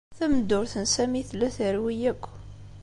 Tameddurt n Sami tella terwi akk.